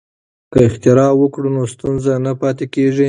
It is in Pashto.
که اختراع وکړو نو ستونزه نه پاتې کیږي.